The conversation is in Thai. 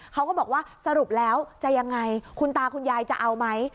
เขาก็บอกว่าสรุปแล้วจะยังไงคุณตาคุณยายจะเอาไหม